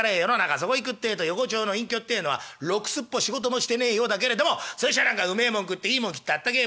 そこいくってえと横町の隠居ってえのはろくすっぽ仕事もしてねえようだけれどもそれにしちゃあうめえもん食っていいもん着て暖けえ